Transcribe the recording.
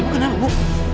ibu kenapa bu